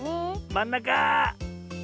まんなか！